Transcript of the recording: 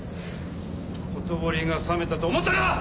ほとぼりが冷めたと思ったか！？